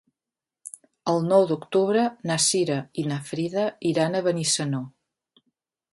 El nou d'octubre na Cira i na Frida iran a Benissanó.